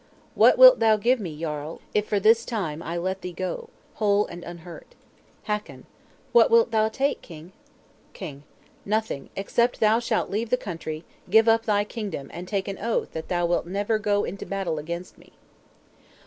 _ "'What wilt thou give me, Jarl, if, for this time, I let thee go, whole and unhurt?' Hakon. "'What wilt thou take, King?' King. "'Nothing, except that thou shalt leave the country; give up thy kingdom; and take an oath that thou wilt never go into battle against me.'"